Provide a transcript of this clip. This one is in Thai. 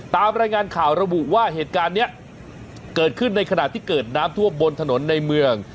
ตามรายงานข่าวระบุว่าเหตุการณ์นี้เกิดขึ้นในขณะที่เกิดน้ำท่วมบนถนนในเมือง